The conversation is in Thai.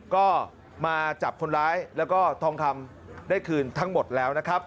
ก็มาจับคนร้ายแล้วก็ทองคำได้คืนทั้งหมดแล้วนะครับ